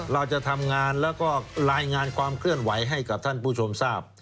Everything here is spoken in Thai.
เราจะทำงานแล้วก็รายงานความเคลื่อนไหวให้กับท่านผู้ชมทราบ